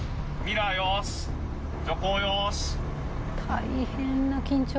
大変な緊張感。